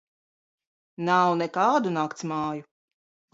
Nav nekādu naktsmāju.